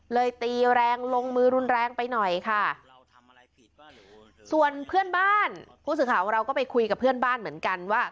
ตีแรงลงมือรุนแรงไปหน่อยค่ะส่วนเพื่อนบ้านผู้สื่อข่าวของเราก็ไปคุยกับเพื่อนบ้านเหมือนกันว่า